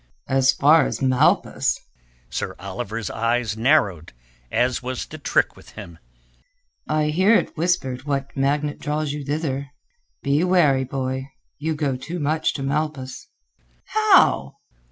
"As far as Malpas?" Sir Oliver's eyes narrowed, as was the trick with him. "I hear it whispered what magnet draws you thither," he said. "Be wary, boy. You go too much to Malpas." "How?"